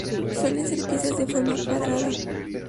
Suelen ser piezas de forma cuadrada.